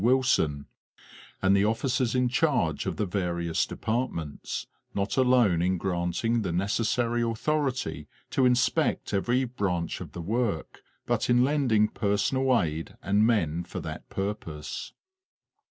Wilson, and the offi cers in charge of the various departments, not alone in granting the necessary authority to inspect every branch of the work, but in lending personal aid and men for that purpose.